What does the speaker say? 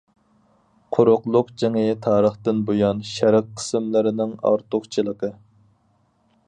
قۇرۇقلۇق جىڭى تارىختىن بۇيان شەرق قىسىملىرىنىڭ ئارتۇقچىلىقى.